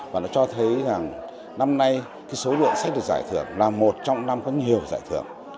và nó cho thấy rằng năm nay số lượng sách được giải thưởng là một trong năm có nhiều giải thưởng